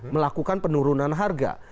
melakukan penurunan harga